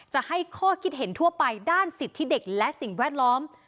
จะให้ข้อคิดเห็นทั่วไปด้านสิทธิเด็กและสิ่งแวดล้อม